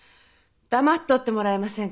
黙っとってもらえませんか？